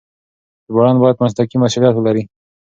ژباړن بايد مسلکي مسؤليت ولري.